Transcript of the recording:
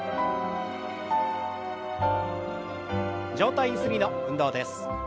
上体ゆすりの運動です。